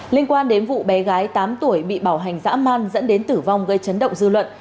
liên quan đến vụ bé gái tám tuổi bị bảo hành dã man dẫn đến tử vong gây chấn động dư luận